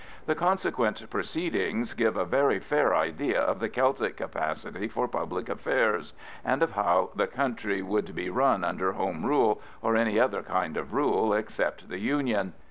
The consequent proceedings give a very fair idea of the Celtic capacity for public affairs, and of how the country would be run under "Home Rule," or any other kind of rule except the "Union."